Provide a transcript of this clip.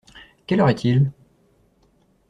Quelle heure est-il?